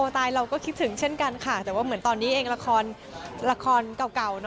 ตายเราก็คิดถึงเช่นกันค่ะแต่ว่าเหมือนตอนนี้เองละครละครเก่า